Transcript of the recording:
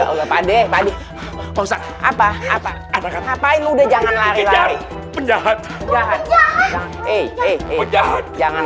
udah pade pade apa apa apa apa lu udah jangan lari lari penjahat penjahat jangan